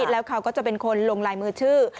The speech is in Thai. แล้วเขาก็จะเป็นคนลงลายมือชื่อ